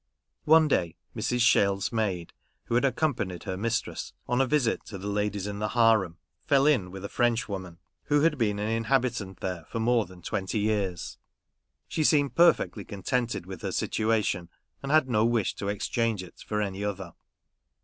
One day, Mrs. Shell's maid, who had accom panied her mistress on a visit to the ladies in the harem, fell in with a Frenchwoman who had been an inhabitant there for more than twenty years. She seemed perfectly con tented with her situation, and had no wish to exchange it for any other.